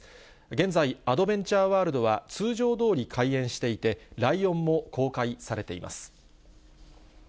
現在、アドベンチャーワールドは通常どおり開園していて、ライオンも公開されています。